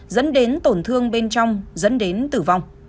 dẫn đến tổn thương bên trong dẫn đến tử vong